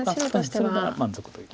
それなら満足という。